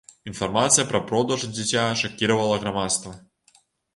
Інфармацыя пра продаж дзіця шакіравала грамадства.